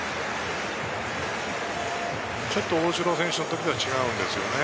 ちょっと大城選手の時とは違うんですよね。